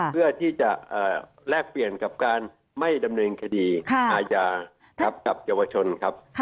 เพื่อที่จะแลกเปลี่ยนกับการไม่ดำเนินคดีอาญากับเยาวชนครับ